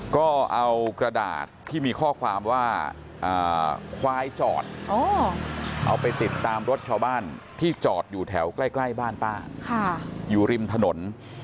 ก็เอากระดาษที่มีข้อความว่าควายจอดเอาไปติดตามรถชาวบ้านที่จอดอยู่แถวใกล้บ้านป้าอยู่ริมถนน